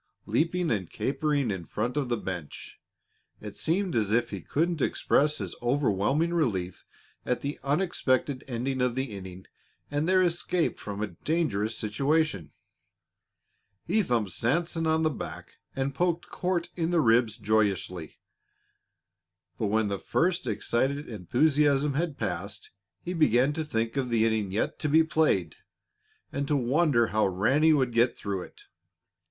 Leaping and capering in front of the bench, it seemed as if he couldn't express his overwhelming relief at the unexpected ending of the inning and their escape from a dangerous situation. He thumped Sanson on the back and poked Court in the ribs joyously. But when the first excited enthusiasm had passed he began to think of the inning yet to be played and to wonder how Ranny would get through it.